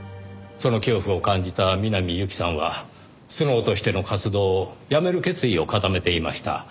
その恐怖を感じた南侑希さんはスノウとしての活動をやめる決意を固めていました。